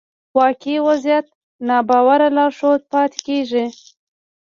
واقعي وضعيت ناباور لارښود پاتې کېږي.